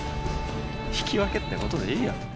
引き分けってことでいいよ。